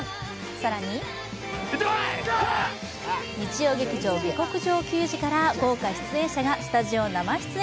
更に日曜劇場「下克上球児」から豪華出演者がスタジオ生出演！